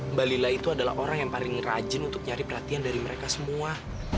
mbak lila itu adalah orang yang paling rajin untuk nyari perhatian dari mereka semua